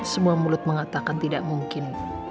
semua mulut mengatakan tidak mungkin